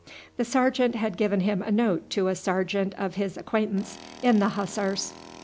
The sergeant had given him a note to a sergeant of his acquaintance in the Hussars.